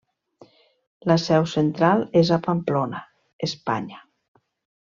La seu central és a Pamplona, Espanya.